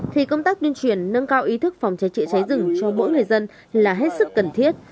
thì công tác tuyên truyền nâng cao ý thức phòng cháy trịa cháy rừng cho mỗi người dân là hết sức cần thiết